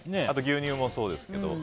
あと、牛乳もそうですけど。